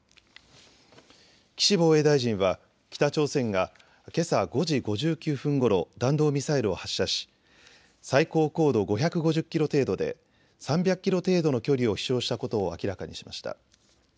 岸防衛大臣は北朝鮮がけさ５時５９分ごろ弾道ミサイルを発射し最高高度５５０キロ程度で３００キロ程度の距離を飛しょうしたことを明らかにしました。